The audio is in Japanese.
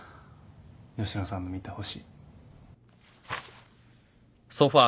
吉野さんの見た星。